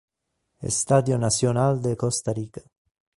Estadio Nacional de Costa Rica